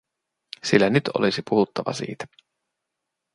Sillä nyt olisi puhuttava siitä.